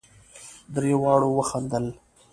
درې واړو وخندل.